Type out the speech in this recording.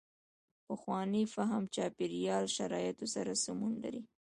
پخوانو فهم چاپېریال شرایطو سره سمون لري.